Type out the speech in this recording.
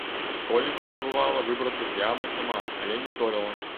Школьніца спрабавала выбрацца з ямы сама, але не здолела.